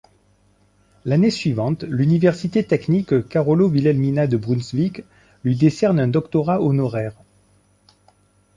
L'année suivante l'université technique Carolo-Wilhelmina de Brunswick lui discerne un doctorat honoraire.